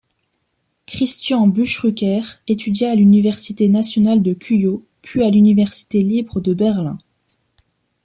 Cristian Buchrucker étudia à l’université nationale de Cuyo, puis à l’université libre de Berlin.